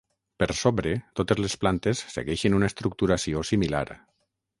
Per sobre, totes les plantes segueixen una estructuració similar.